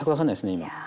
今。